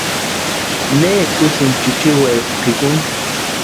¿Necha úsï chichiwekwa pʼikuni?